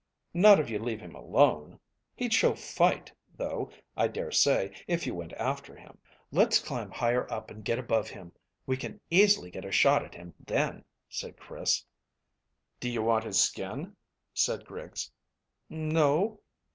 "Not if you leave him alone. He'd show fight, though, I dare say, if you went after him." "Let's climb higher up and get above him. We can easily get a shot at him then," said Chris. "Do you want his skin?" said Griggs. "No."